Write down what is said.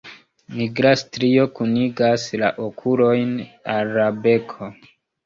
Nigra strio kunigas la okulojn al la beko.